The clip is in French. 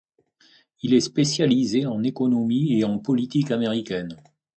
Il est spécialisé en économie et en politique américaine.